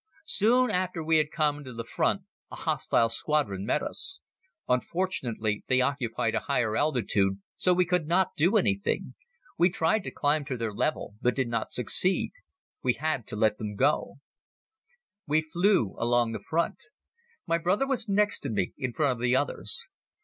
Soon after we had come to the front a hostile squadron met us. Unfortunately they occupied a higher altitude so we could not do anything. We tried to climb to their level but did not succeed. We had to let them go. We flew along the front. My brother was next to me, in front of the others.